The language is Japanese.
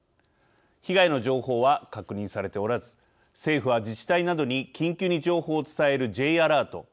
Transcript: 被害の情報は確認されておらず政府は自治体などに緊急に情報を伝えるＪアラート＝